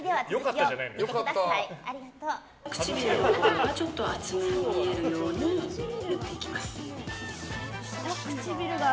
下唇が厚めに見えるように塗っていきます。